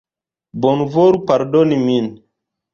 Bonvolu pardoni min!